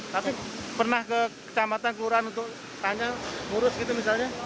tapi pernah ke kecamatan kelurahan untuk tanya ngurus gitu misalnya